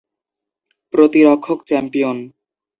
প্রতিরক্ষক champion.